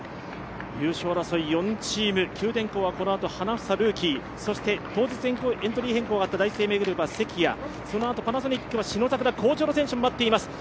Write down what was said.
優勝争い４チーム、九電工はこのあと、花房ルーキー、そして当日エントリー変更があった第一生命グループは関谷、そのあとパナソニックは好調な選手が待っています。